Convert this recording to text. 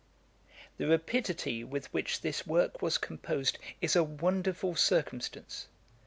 The rapidity with which this work was composed, is a wonderful circumstance.